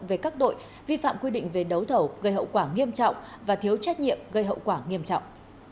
về các tội vi phạm quy định về đấu thầu gây hậu quả nghiêm trọng và thiếu trách nhiệm gây hậu quả nghiêm trọng